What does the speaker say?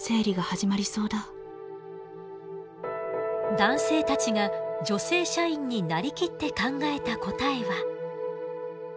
男性たちが女性社員に成りきって考えた答えは。